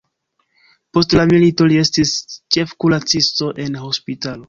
Post la milito li estis ĉefkuracisto en hospitalo.